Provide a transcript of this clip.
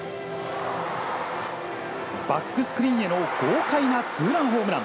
バックスクリーンへの豪快なツーランホームラン。